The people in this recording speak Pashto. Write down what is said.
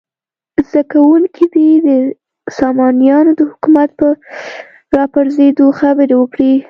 زده کوونکي دې د سامانیانو د حکومت په راپرزېدو خبرې وکړي.